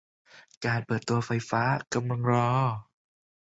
การเปิดตัวไฟฟ้ากำลังรอ